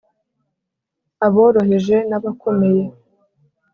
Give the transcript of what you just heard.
aboroheje n’abakomeye,